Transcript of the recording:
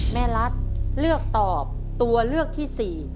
รัฐเลือกตอบตัวเลือกที่๔